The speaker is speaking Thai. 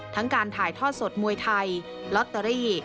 การถ่ายทอดสดมวยไทยลอตเตอรี่